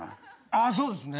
ああそうですね。